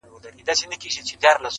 ګواکي ستا په حق کي هیڅ نه دي لیکلي،